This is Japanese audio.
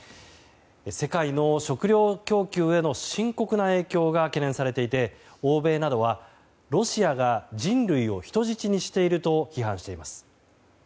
世界の食料供給への深刻な影響が懸念されていて、欧米などはロシアが人類を人質にしていると批判しています。